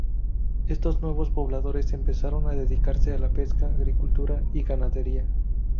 Estos nuevos pobladores empezaron a dedicarse a la pesca, agricultura y ganadería.